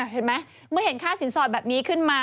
เห็นไหมเมื่อเห็นค่าสินสอดแบบนี้ขึ้นมา